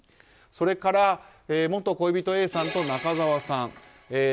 それから元恋人Ａさんと中澤さん